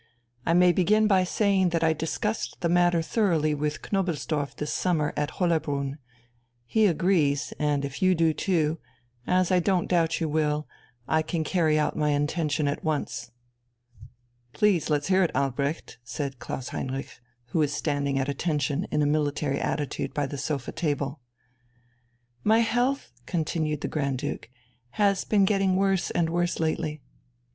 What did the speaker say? I may begin by saying that I discussed the matter thoroughly with Knobelsdorff this summer at Hollerbrunn. He agrees, and if you do too, as I don't doubt you will, I can carry out my intention at once." "Please let's hear it, Albrecht," said Klaus Heinrich, who was standing at attention in a military attitude by the sofa table. "My health," continued the Grand Duke, "has been getting worse and worse lately."